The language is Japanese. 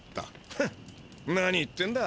フン何言ってんだ。